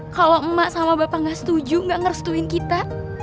kalo emak sama bapak gak setuju gak ngerestuin kita